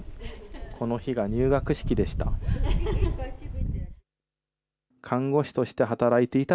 この日が入学式でした。